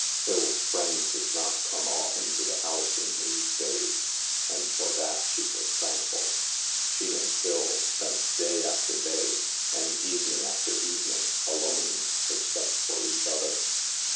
Phil's friends did not come often to the house in these days, and for that she was thankful. She and Phil spent day after day and evening after evening alone, except for each other.